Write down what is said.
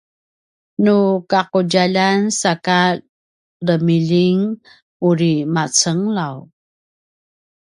nu kalja’udjaljan saka lemiljing uri macenglav